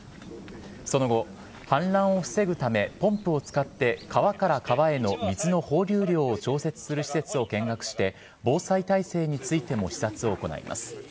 その後、氾濫を防ぐためポンプを使って川から川への水の放流量を調節する施設を見学して防災体制についても視察を行います。